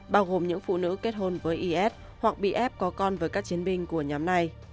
bao gồm những phụ nữ kết hôn với is hoặc bị ép có con với các chiến binh của nhóm này